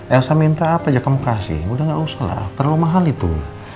ya saya minta apa aja kamu kasih udah gak usah lah terlalu mahal itu